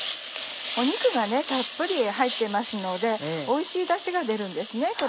肉がたっぷり入ってますのでおいしいダシが出るんですね